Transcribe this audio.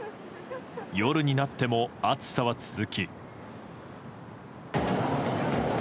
夜になっても暑さは続き。